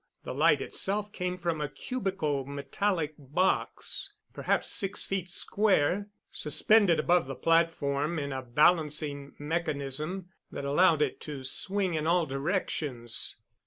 The light itself came from a cubical metallic box, perhaps six feet square, suspended above the platform in a balancing mechanism that allowed it to swing in all directions.